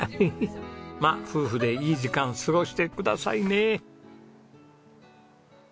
まあ夫婦でいい時間過ごしてくださいね。